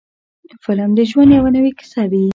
فلم د ژوند یوه نوې کیسه وي.